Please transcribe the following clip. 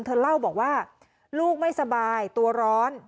เธอเล่าบอกว่าลูกไม่สบายตัวร้อน